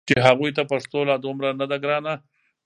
چې هغوی ته پښتو لا دومره نه ده ګرانه